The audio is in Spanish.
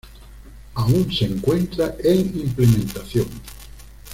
Aún se encuentra en implementación.